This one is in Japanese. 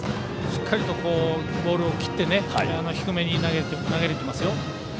しっかりとボールを切って低めに投げられていますよ。